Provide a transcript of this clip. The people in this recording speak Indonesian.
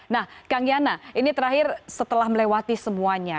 nah kang yana ini terakhir setelah melewati semuanya